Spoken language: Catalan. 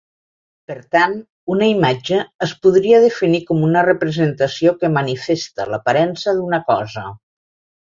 Per tant, una imatge es podria definir com una representació que manifesta l'aparença d'una cosa.